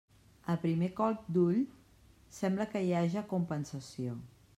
A primer colp d'ull, sembla que hi haja compensació.